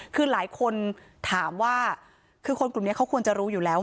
คือหลายคนถามว่าคือคนกลุ่มนี้เขาควรจะรู้อยู่แล้ว